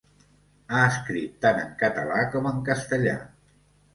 Ha escrit tant en català com en castellà.